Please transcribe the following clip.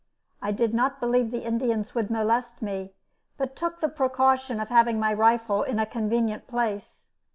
I did not believe the Indians would molest me, but took the precaution of having my rifle in a convenient place.